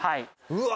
うわ！